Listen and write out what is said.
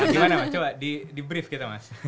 gimana mas coba di brief kita mas